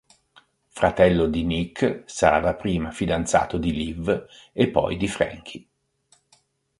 Fratello di Nick, sarà dapprima fidanzato di Liv e poi di Franky.